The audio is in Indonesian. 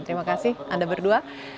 terima kasih anda berdua